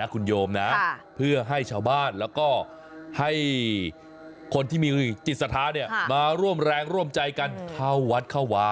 นะคุณโยมนะเพื่อให้ชาวบ้านแล้วก็ให้คนที่มีจิตสถานเนี่ยมาร่วมแรงร่วมใจกันเข้าวัดเข้าวา